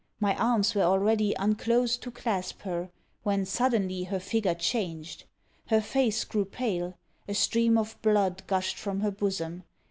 My arms were already unclosed to clasp her, when suddenly her figure changed! Her face grew pale a stream of blood gushed from her bosom.